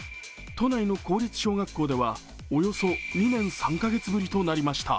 都内の公立小学校ではおよそ２年３カ月ぶりとなりました。